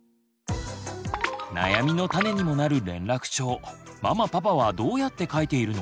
悩みの種にもなる連絡帳ママパパはどうやって書いているの？